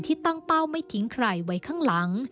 ที่ตั้งเป้าไม่ทิ้งใครไว้ข้างหลัง